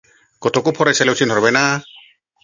गथ'खौ फरायसालियाव थिनहरबाय ना?